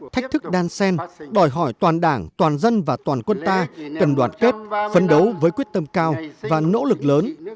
thách thức đan sen đòi hỏi toàn đảng toàn dân và toàn quân ta cần đoàn kết phấn đấu với quyết tâm cao và nỗ lực lớn